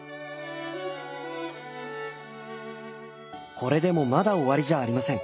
これでもまだ終わりじゃありません。